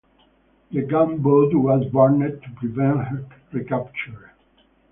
The gunboat was burned to prevent her recapture.